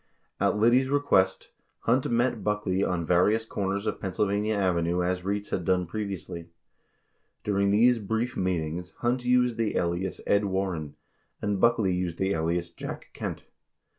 At Liddy's request, 30 Hunt met Buckley on various corners of Pennsyl vania Avenue as Rietz had done previously. During these brief meet ings, Hunt used the alias Ed Warren, and Buckley used the alias Jack Kent.